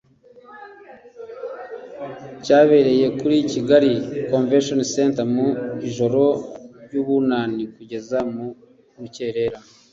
cyabereye kuri Kigali Convention Center mu ijoro ry’Ubunani kugeza mu rukerera